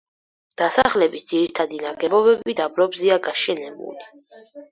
დასახლების ძირითადი ნაგებობები დაბლობზეა გაშენებული.